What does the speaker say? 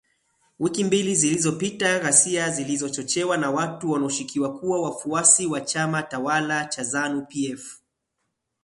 Wiki mbili zilizopita, ghasia zilizochochewa na watu wanaoshukiwa kuwa wafuasi wa chama tawala cha ZANU PF